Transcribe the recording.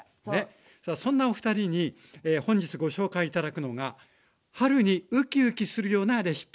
さあそんなおふたりに本日ご紹介頂くのが春にウキウキするようなレシピ。